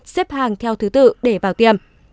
xếp hàng theo thứ tự để vào tiêm